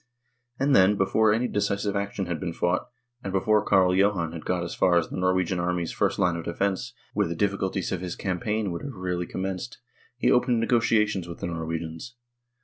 And then, before any decisive action had been fought, and before Carl Johan had got as far as the Norwegian army's first line of defence, where the difficulties of his campaign would have really commenced, he opened negotiations with the Norwegians.